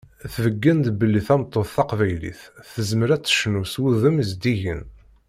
Tbeggen-d belli tameṭṭut taqbaylit tezmer ad tecnu s wudem zeddigen.